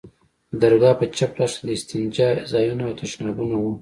د درگاه په چپ لاس کښې د استنجا ځايونه او تشنابونه وو.